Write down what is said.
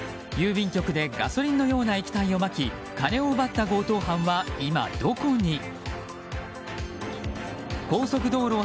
郵便局でガソリンのような液体をまき金を奪った強盗犯は今、どこに？